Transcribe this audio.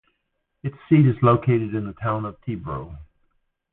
Its seat is located in the town of Tibro.